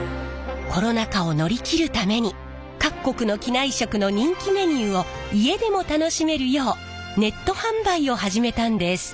コロナ禍を乗り切るために各国の機内食の人気メニューを家でも楽しめるようネット販売を始めたんです。